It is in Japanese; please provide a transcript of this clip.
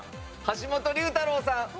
橋本龍太郎さん。